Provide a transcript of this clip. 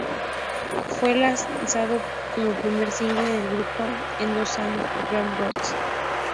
Fue lanzado como el primer single del grupo en dos años por Warner Bros.